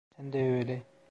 Sen de öyle.